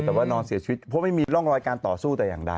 แต่ว่านอนเสียชีวิตเพราะไม่มีร่องรอยการต่อสู้แต่อย่างใด